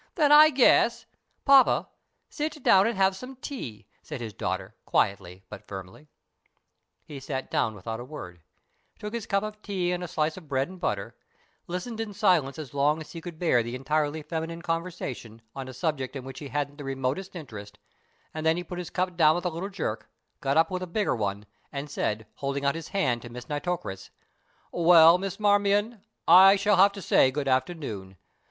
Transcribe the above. "Then I guess " "Poppa, sit down and have some tea," said his daughter, quietly but firmly. He sat down without a word, took his cup of tea and a slice of bread and butter; listened in silence as long as he could bear the entirely feminine conversation on a subject in which he hadn't the remotest interest, and then he put his cup down with a little jerk, got up with a bigger one, and said, holding out his hand to Miss Nitocris: "Well, Miss Marmion, I shall have to say good afternoon.